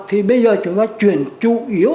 thì bây giờ chúng ta chuyển chủ yếu